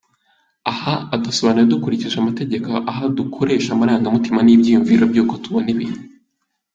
Aha dusobanuye dukurikije amategeko, aho gukoresha amarangamutima n’ibyiyumviro by’uko tubona ibintu.